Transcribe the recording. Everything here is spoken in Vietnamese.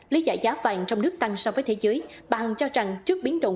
lý giải giá vàng trong nước tăng so với thế giới bà hằng cho rằng trước biến động